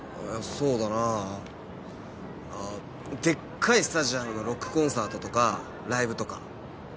でっかいスタジアムのロックコンサートとかライブとか。